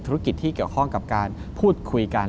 ธุรกิจที่เกี่ยวข้องกับการพูดคุยกัน